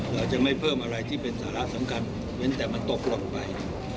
เราจะไม่เพิ่มอะไรที่เป็นสาระสำคัญเว้นแต่มันตกหล่นไป